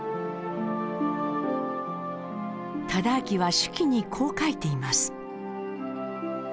忠亮は手記にこう書いています。